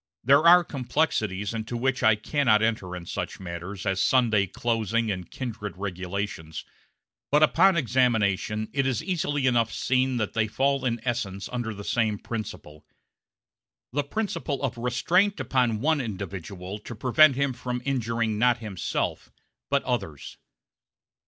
There are complexities into which I cannot enter in such matters as Sunday closing and kindred regulations; but upon examination it is easily enough seen that they fall in essence under the same principle the principle of restraint upon one individual to prevent him from injuring not himself, but others.